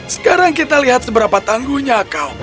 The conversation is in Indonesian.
sekarang kita lihat seberapa tangguhnya kau